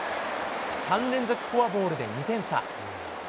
３連続フォアボールで２点差。